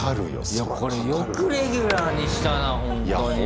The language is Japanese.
いやこれよくレギュラーにしたなほんとに。